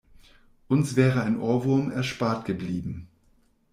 Uns wäre ein Ohrwurm erspart geblieben.